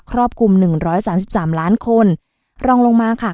รอบคลุมหนึ่งร้อยสามสิบสามล้านคนรองลงมาค่ะ